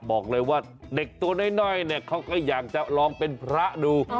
บอกเลยว่าเด็กตัวน้อยเนี่ยเขาก็อยากจะลองเป็นพระดู